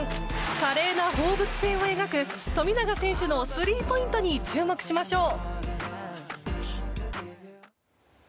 華麗な放物線を描く富永選手のスリーポイントに注目しましょう。